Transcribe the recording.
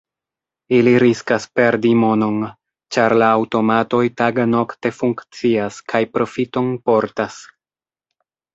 Ili riskas perdi monon, ĉar la aŭtomatoj tagnokte funkcias kaj profiton portas.